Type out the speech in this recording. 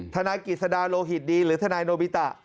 นายกิจสดาโลหิตดีหรือทนายโนบิตะ